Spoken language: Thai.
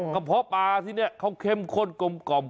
เพาะปลาที่นี่เขาเข้มข้นกลม